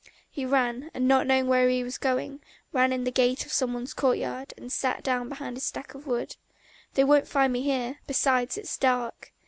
He ran, and not knowing where he was going, ran in at the gate of some one's courtyard, and sat down behind a stack of wood: "They won't find me here, besides it's dark!"